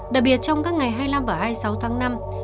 đặc biệt trong các ngày hai mươi năm và hai mươi sáu tháng năm